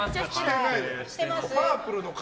パープルの顔！